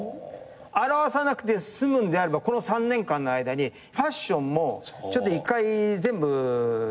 現さなくて済むんであればこの３年間の間にファッションも一回全部ちょっと変えてみようかなと。